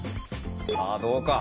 さあどうか？